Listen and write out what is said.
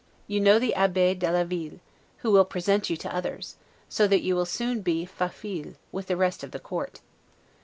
You know the Abbe de la Ville, who will present you to others, so that you will soon be 'faufile' with the rest of the court.